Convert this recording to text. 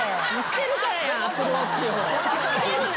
捨てるな！